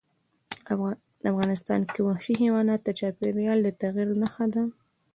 افغانستان کې وحشي حیوانات د چاپېریال د تغیر نښه ده.